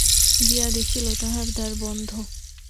গিয়া দেখিল, তাহার দ্বার বন্ধ।